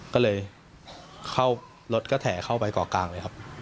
ก็เลยเข้ารถก็แถเข้าไปเกาะกลางเลยครับ